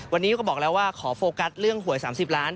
วันนี้ก็บอกแล้วว่าขอโฟกัสเรื่องหวย๓๐ล้าน